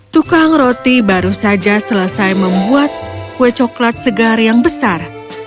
tukang roti baru saja selesai membuat kue coklat segar yang besar